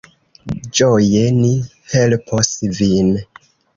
Ĝoje ni helpos vin.